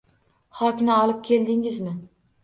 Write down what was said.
Xokni olib keldingizmi